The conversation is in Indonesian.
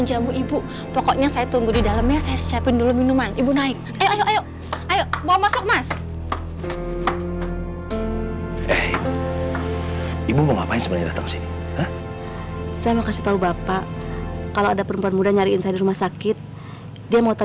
jangan lupa like share dan subscribe